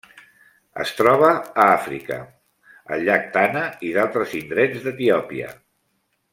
Es troba a Àfrica: el llac Tana i d'altres indrets d'Etiòpia.